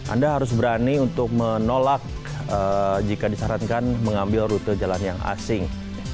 anda harus berani untuk menolak jika disarankan mengambil rute jalan yang asing